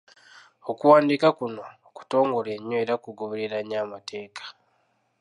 Okuwandiika kuno kutongole nnyo era kugoberera nnyo amateeka.